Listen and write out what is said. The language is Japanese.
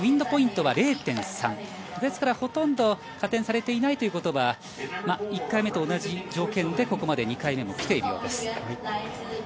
ポイントは０．３ですから、ほとんど加点されていないということは１回目と同じ条件でここまで２回目も来ているようです。